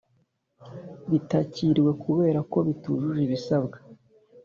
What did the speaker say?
Bitakiriwe kubera ko bitujuje ibisabwa